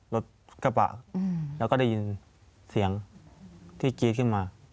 รถกระบะแล้วก็ได้ยินเสียงที่กรี๊ดขึ้นมา